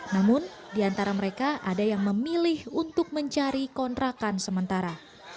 namun di antara mereka ada yang memilih untuk mencari kontrakan sementara